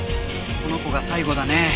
この子が最後だね。